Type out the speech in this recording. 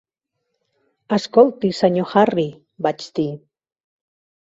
"Escolti, Sr. Harry", vaig dir.